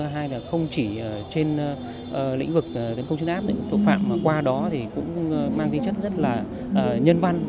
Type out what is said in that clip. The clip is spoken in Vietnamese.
hai là không chỉ trên lĩnh vực tấn công chấn áp tội phạm mà qua đó thì cũng mang tính chất rất là nhân văn